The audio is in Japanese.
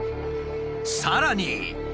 さらに。